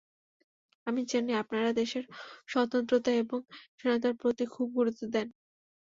আমি জানি আপনারা দেশের স্বতন্ত্রতা এবং স্বাধীনতার প্রতি খুব গুরুত্ব দেন।